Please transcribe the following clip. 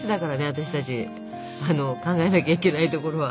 私たち考えなきゃいけないところは。